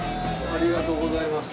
ありがとうございます。